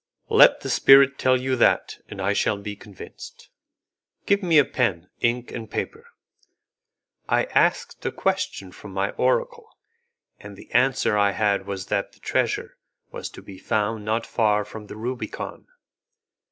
"Let the spirit tell you that, and I shall be convinced." "Give me a pen, ink and paper." I asked a question from my oracle, and the answer I had was that the treasure was to be found not far from the Rubicon.